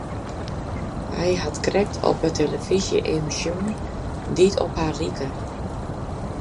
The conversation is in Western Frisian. Hja hat krekt op 'e telefyzje immen sjoen dy't op har like.